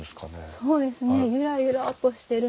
そうですね。